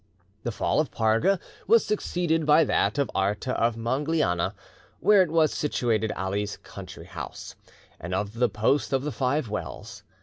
The fall of Parga was succeeded by that of Arta of Mongliana, where was situated Ali's country house, and of the post of the Five Wells.